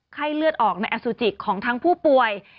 ไข้เลือดออกในอสุจิของทั้งผู้ป่วย